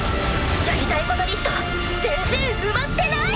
やりたいことリスト全然埋まってない！